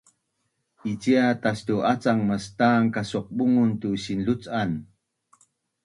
icia tastu’acang mastan kasoqbungun tu sinluc’an